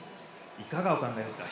いかがお考えですか？